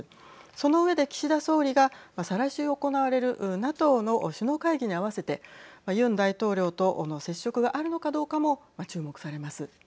その上で岸田総理が再来週行われるＮＡＴＯの首脳会議に合わせてユン大統領との接触があるのかどうかもはい。